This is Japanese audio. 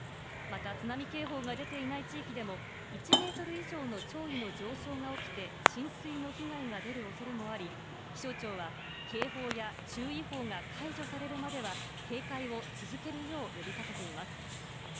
また、津波警報が出ていない地域でも、１メートル以上の潮位の上昇が起きて、浸水の被害が出るおそれもあり、気象庁は警報や注意報が解除されるまでは、警戒を続けるよう呼びかけています。